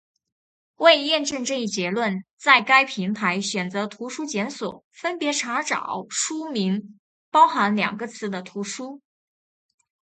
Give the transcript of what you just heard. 为验证这一结论，在该平台选择图书检索，分别查找书名包含两个词的图书。